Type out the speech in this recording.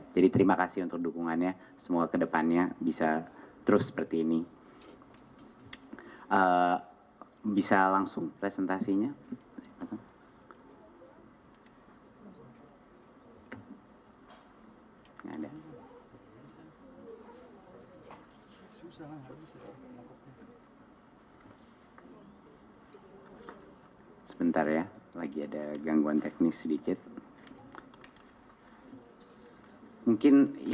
jadi terima kasih untuk dukungannya semoga ke depannya bisa terus seperti ini